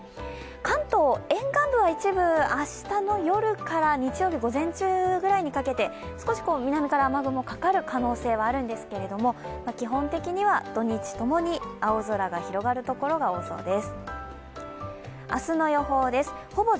関東沿岸部は一部明日の夜から日曜日午前中にかけて、少し南から雨雲がかかる可能性があるんですけど基本的には土日共に青空が広がる所が多そうです。